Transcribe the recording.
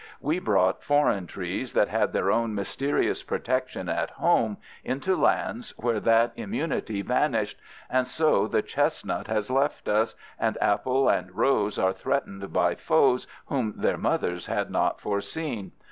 We brought foreign trees that had their own mysterious protection at home into lands where that immunity vanished, and so the chestnut has left us, and apple and rose are threatened by foes whom their mother had not foreseen.